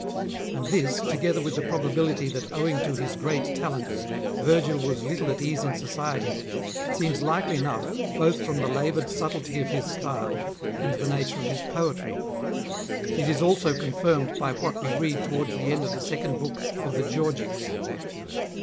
And this, together with the probability that owing to his great talents Virgil was little at ease in society, seems likely enough, both from the laboured subtlety of his style, and the nature of his poetry ; it is also confirmed by what we read towards the end of the Second Book of the Georgics.